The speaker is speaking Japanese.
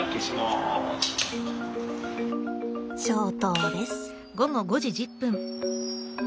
消灯です。